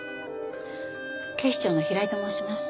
警視庁の平井と申します。